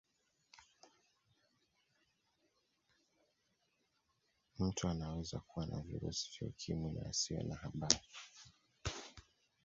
Mtu anaweza kuwa na virusi vya ukimwi na asiwe na habari